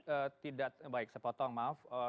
eee tidak baik sepotong maaf